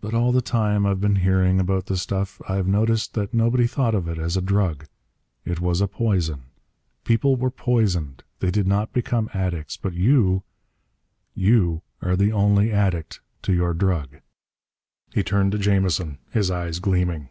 "But all the time I've been hearing about the stuff, I've noticed that nobody thought of it as a drug. It was a poison. People were poisoned. They did not become addicts. But you you are the only addict to your drug." He turned to Jamison, his eyes gleaming.